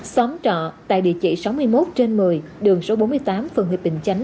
xóm trọ tại địa chỉ sáu mươi một trên một mươi đường số bốn mươi tám phường hiệp bình chánh